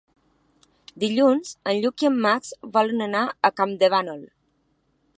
Dilluns en Lluc i en Max volen anar a Campdevànol.